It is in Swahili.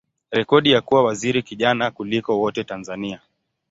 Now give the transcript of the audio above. rekodi ya kuwa waziri kijana kuliko wote Tanzania.